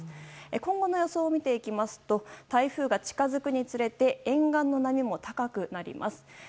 今後の予想を見ていきますと台風が近づくにつれて沿岸の波も高くなります。